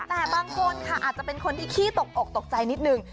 แต่บางคนค่ะอาจจะเป็นคนที่ขี้ตกอกตกใจนิดนึง